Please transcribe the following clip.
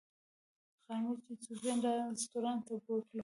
غرمه یې صوفیا رسټورانټ ته بوتلو.